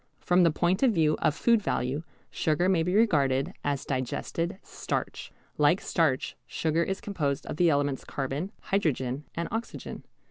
From the point of view of food value sugar may be regarded as digested starch. Like starch, sugar is composed of the elements carbon, hydrogen, and oxygen.